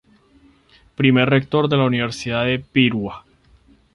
Primer Rector de la Universidad de Piura.